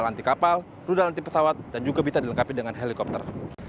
lantai kapal rudal anti pesawat dan juga bisa dilengkapi dengan helikopter